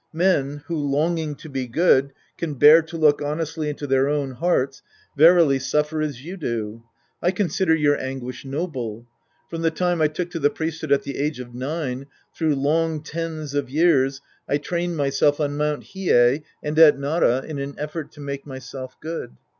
Men who, longing to be good, can bear to look honestly into their own hearts, verily suffer as you do. I con sider your anguish noble. From the time I took to the priesthood at the age of nine, through long tens of years, I trained myself on Mt. Hiei and at Nara in an effort to make myself good.